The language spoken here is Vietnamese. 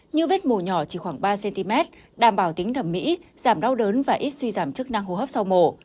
như vết mù nhỏ chỉ khoảng ba cm đảm bảo tính thẩm mỹ giảm đau đớn và ít suy giảm chức năng hô hấp sau mổ